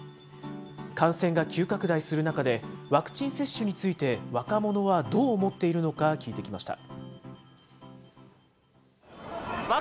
感染が急拡大する中で、ワクチン接種について、若者はどう思っているのか、聞いてきました。